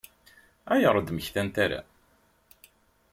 Ayɣer ur d-mmektan ara?